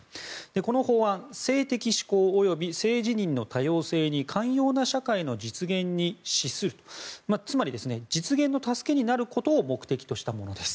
この法案、性的指向及び性自認の多様性に寛容な社会の実現に資するつまり、実現に助けになることをしたものです。